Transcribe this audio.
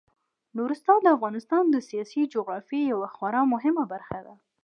نورستان د افغانستان د سیاسي جغرافیې یوه خورا مهمه برخه ده.